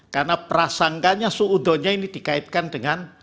karena prasangganya suudonya ini tidak terlalu banyak